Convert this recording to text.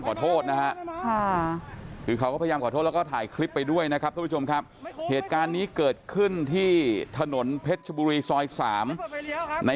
เครื่องมีดทิ้งก็ได้จะเอาเรื่องให้ได้